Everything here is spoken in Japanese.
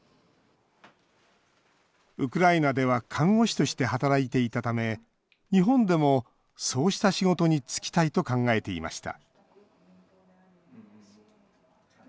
ウクライナでは看護師として働いていたため日本でもそうした仕事につきたいと考えていました